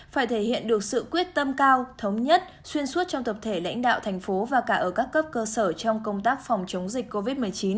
phải thể hiện được sự quyết tâm cao thống nhất xuyên suốt trong tập thể lãnh đạo thành phố và cả ở các cấp cơ sở trong công tác phòng chống dịch covid một mươi chín